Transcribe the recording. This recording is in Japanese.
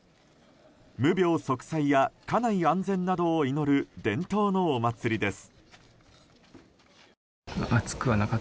無病息災や家内安全などを祈る伝統のお祭りです。